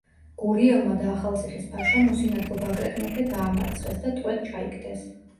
გურიელმა და ახალციხის ფაშამ უსინათლო ბაგრატ მეფე დაამარცხეს და ტყვედ ჩაიგდეს.